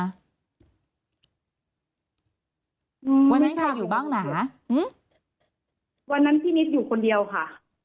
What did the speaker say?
วันนั้นใครอยู่บ้างหนาอืมวันนั้นพี่นิดอยู่คนเดียวค่ะ